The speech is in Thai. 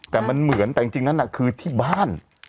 แต่มันเหมือนแต่จริงนั่นน่ะคือที่บ้าน